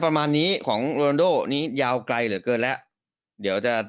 ประมาณนี้ของโรนโดนี้ยาวไกลเหลือเกินแล้วเดี๋ยวจะ